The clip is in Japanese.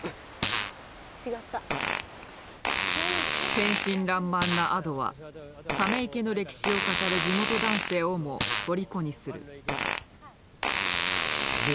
天真らんまんな亜土はため池の歴史を語る地元男性をもとりこにする。